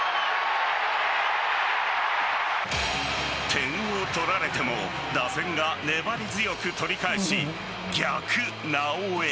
点を取られても打線が粘り強く取り返し逆なおエ。